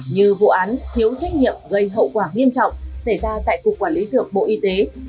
như vụ án thiếu trách nhiệm gây hậu quả nghiêm trọng xảy ra tại cục quản lý dược bộ y tế